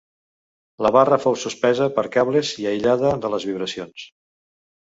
La barra fou suspesa per cables i aïllada de les vibracions.